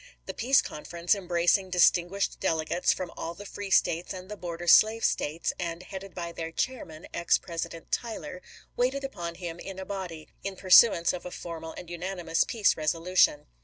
The Peace Conference, embracing dis tinguished delegates from all the free States and the border slave States, and headed by their chair man, ex President Tyler, waited upon him in a <<proceed body, in pursuance of a formal and unanimous peace con6 resolution.